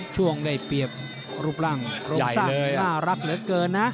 ช่วงได้เปรียบรูปร่างโครงสร้างที่น่ารักเหลือเกินนะ